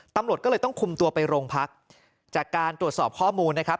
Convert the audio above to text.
ตำรวจก็เลยต้องคุมตัวไปโรงพักจากการตรวจสอบข้อมูลนะครับ